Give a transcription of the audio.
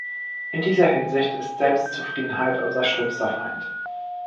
In dieser Hinsicht ist Selbstzufriedenheit unser schlimmster Feind.